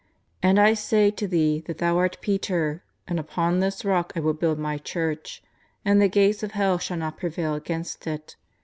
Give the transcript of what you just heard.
And I say to thee that thou art Peter, and upon this rock I will build My Church, and the gates of hell shall not prevail against it.